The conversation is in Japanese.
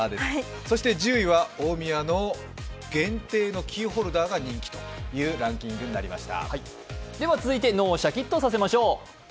１０位は大宮の限定のキーホルダーが人気というランキングになりました。